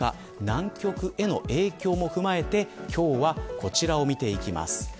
南極への影響も踏まえて今日はこちらを見ていきます。